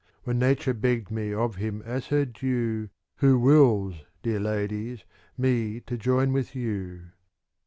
When Nature begged me of him as her due. Who wills, dear ladies, me to join with you.